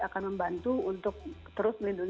akan membantu untuk mencapai penyelesaian yang terbaik